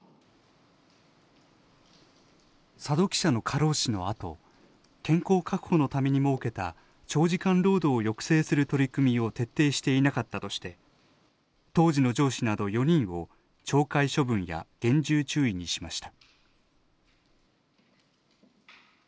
佐戸記者の過労死のあと健康確保のために設けた長時間労働を抑制する取り組みを徹底していなかったとして当時の上司など４人を懲戒処分や厳重注意にしました。